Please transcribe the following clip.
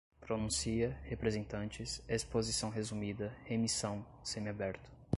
pronuncia, representantes, exposição resumida, remição, semi-aberto